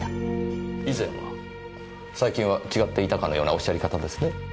最近は違っていたかのようなおっしゃり方ですね？